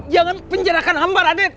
jangan penjarakan hambar adit